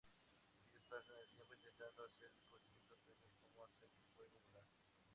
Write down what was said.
Ellos pasan el tiempo intentando hacer descubrimientos, tales como hacer fuego o volar.